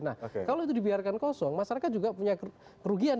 nah kalau itu dibiarkan kosong masyarakat juga punya kerugian